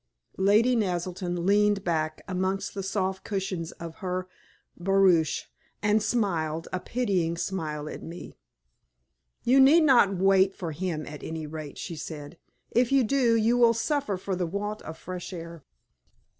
Lady Naselton leaned back amongst the soft cushions of her barouche, and smiled a pitying smile at me. "You need not wait for him, at any rate," she said. "If you do you will suffer for the want of fresh air."